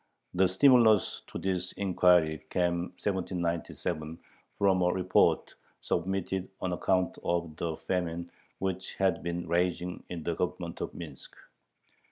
The stimulus to this inquiry came in 1797, from a report submitted on account of the famine which had been raging in the Government of Minsk.